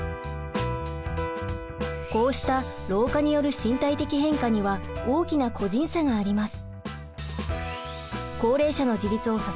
こうした老化による身体的変化には大きな個人差があります。